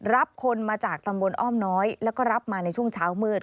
รับคนมาจากตำบลอ้อมน้อยแล้วก็รับมาในช่วงเช้ามืด